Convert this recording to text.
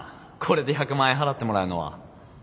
これで１００万円払ってもらうのは。